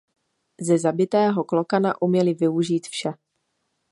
Ze zabitého klokana uměli využít vše.